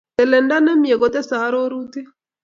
Telendo nemie kotesei arorutik